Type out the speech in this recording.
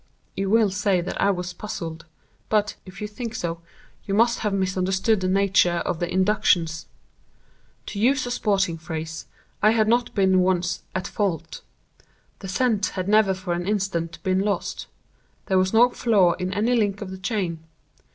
"You will say that I was puzzled; but, if you think so, you must have misunderstood the nature of the inductions. To use a sporting phrase, I had not been once 'at fault.' The scent had never for an instant been lost. There was no flaw in any link of the chain.